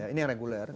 ini yang reguler